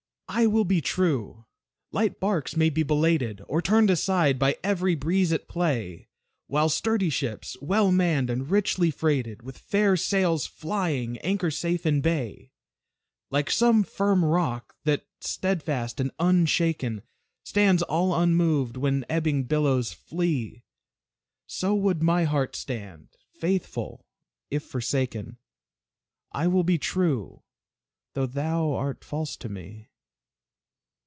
I will be true. Light barques may be belated, Or turned aside by every breeze at play, While sturdy ships, well manned and richly freighted, With fair sales flying, anchor safe in Bay, Like some firm rock, that, steadfast and unshaken, Stands all unmoved when ebbing billows flee, So would my heart stand, faithful if forsaken I will be true, though thou art false to me.